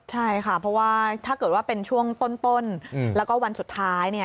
ใช่ค่ะเพราะว่าถ้าเกิดว่าเป็นช่วงต้นแล้วก็วันสุดท้าย